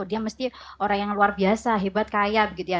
dia mesti orang yang luar biasa hebat kaya begitu ya